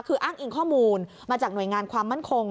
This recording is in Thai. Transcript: คืออ้างอิงข้อมูลมาจากหน่วยงานความมั่นคง